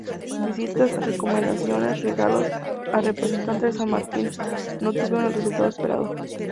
Visitas, recomendaciones, regalos a representantes de San Martín, no tuvieron el resultado esperado.